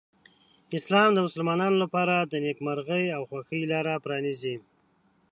اسلام د مسلمانانو لپاره د نېکمرغۍ او خوښۍ لاره پرانیزي.